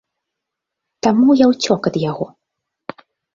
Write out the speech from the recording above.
Таму я ўцёк ад яго.